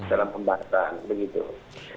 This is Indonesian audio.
dalam pembahasan begitu